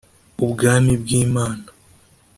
Ubwami bw’Imana